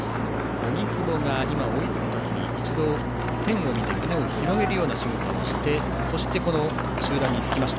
荻久保が追いつく時一度、天を見て胸を広げるようなしぐさをして集団につきました。